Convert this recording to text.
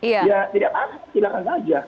ya tidak apa apa silakan saja